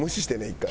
１回。